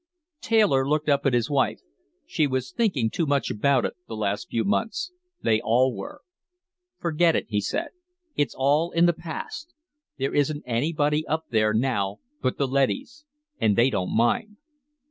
Taylor looked up at his wife. She was thinking too much about it, the last few months. They all were. "Forget it," he said. "It's all in the past. There isn't anybody up there now but the leadys, and they don't mind."